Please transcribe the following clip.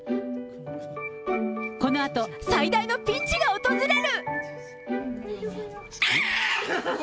このあと、最大のピンチが訪れる。